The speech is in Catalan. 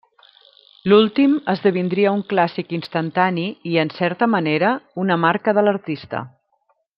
L'últim esdevindria un clàssic instantani i, en certa manera, una marca de l'artista.